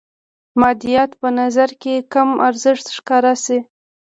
مادیات په نظر کې کم ارزښته ښکاره شي.